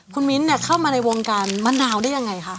คุณมิ้นท์เข้ามาในวงการมะนาวได้ยังไงคะ